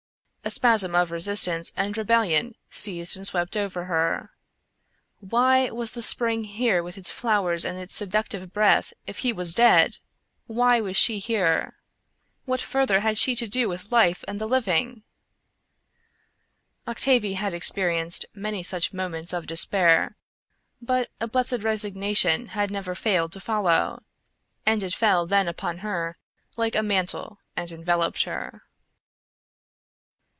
A spasm of resistance and rebellion seized and swept over her. Why was the spring here with its flowers and its seductive breath if he was dead! Why was she here! What further had she to do with life and the living! Octavie had experienced many such moments of despair, but a blessed resignation had never failed to follow, and it fell then upon her like a mantle and enveloped her.